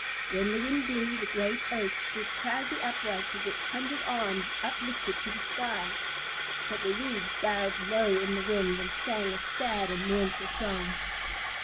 When the wind blew, the great Oak stood proudly upright with its hundred arms uplifted to the sky. But the Reeds bowed low in the wind and sang a sad and mournful song.